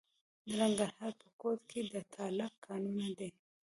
د ننګرهار په کوټ کې د تالک کانونه دي.